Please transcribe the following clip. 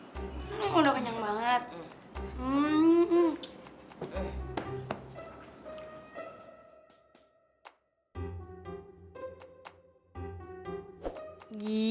hmm udah kenyang banget